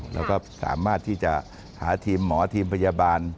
เราก็สามารถที่จะหาทีมหมอทีมพยาบาล